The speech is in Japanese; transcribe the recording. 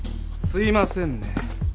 ・すいませんね。